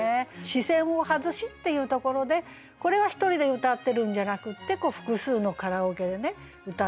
「視線を外し」っていうところでこれは１人で歌ってるんじゃなくって複数のカラオケで歌っている。